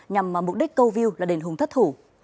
nhằm mục đích câu view là đền hùng thất thủ